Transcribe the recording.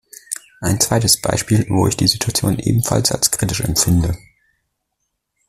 Ein zweites Beispiel, wo ich die Situation ebenfalls als kritisch empfinde.